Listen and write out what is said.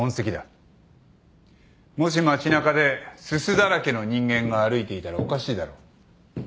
もし街なかですすだらけの人間が歩いていたらおかしいだろう。